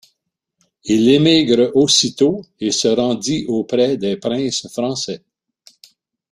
Il émigre aussitôt et se rendit auprès des princes français.